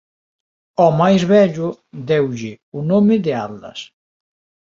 Ó máis vello deulle o nome de Atlas.